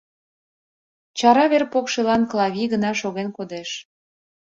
Чара вер покшелан Клавий гына шоген кодеш.